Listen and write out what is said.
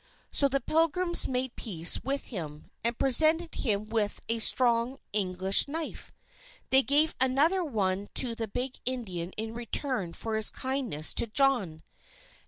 So the Pilgrims made peace with him, and presented him with a strong English knife. They gave another one to the big Indian in return for his kindness to John.